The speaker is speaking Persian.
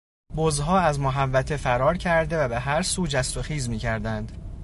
بزها از محوطه فرار کرده و به هر سو جست و خیز میکردند.